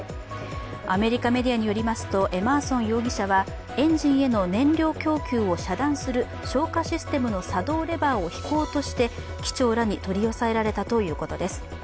アメリカメディアによりますとエマーソン容疑者は、エンジンへの燃料供給を遮断する消火システムの作動レバーを引こうとして機長らに取り押さえられたということです。